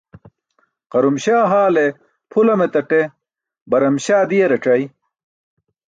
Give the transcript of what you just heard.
Quram śaa haale pʰu lam etaṭe, baram śaa diẏarac̣aya?